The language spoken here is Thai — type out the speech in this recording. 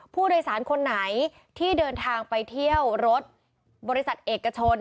ผู้โดยสารคนไหนที่เดินทางไปเที่ยวรถบริษัทเอกชน